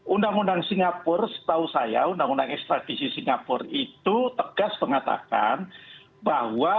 undang undang singapura setahu saya undang undang ekstradisi singapura itu tegas mengatakan bahwa